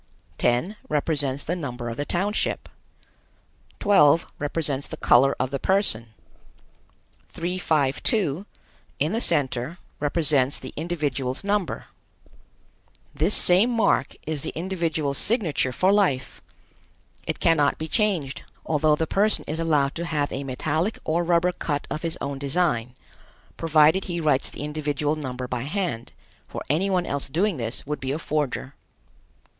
10 represents the number of the township. 12 represents the color of the person. 352, in the center, represents the individual's number. This same mark is the individual's signature for life. It cannot be changed, although the person is allowed to have a metallic or rubber cut of his own design, provided he writes the individual number by hand, for any one else doing this would be a forger.